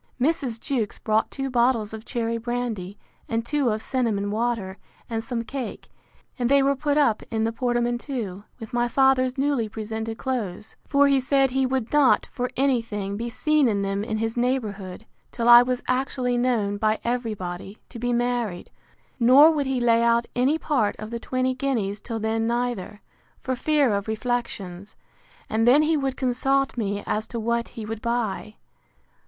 Mrs. Jewkes brought two bottles of cherry brandy, and two of cinnamon water, and some cake; and they were put up in the portmanteau, with my father's newly presented clothes; for he said, He would not, for any thing, be seen in them in his neighbourhood, till I was actually known, by every body, to be married; nor would he lay out any part of the twenty guineas till then neither, for fear of reflections; and then he would consult me as to what he would buy.